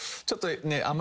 ちょっとねえ